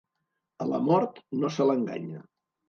A la mort, no se l'enganya.